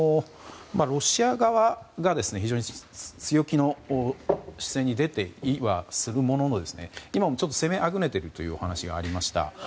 ロシア側が非常に強気の姿勢に出ていはするものの今も攻めあぐねているというお話がありました。